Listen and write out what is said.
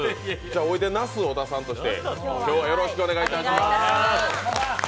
おいでナス小田として、今日はよろしくお願いいたします。